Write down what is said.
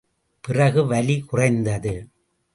பிறகு வலி குறைந்தது.